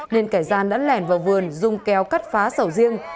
nên kẻ gian đã lẻn vào vườn dùng kéo cắt phá sầu riêng